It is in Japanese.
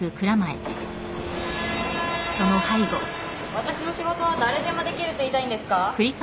・私の仕事は誰でもできると言いたいんですか？